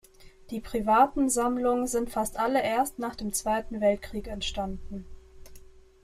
Die privaten Sammlungen sind fast alle erst nach dem Zweiten Weltkrieg entstanden.